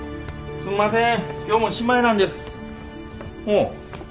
すいません。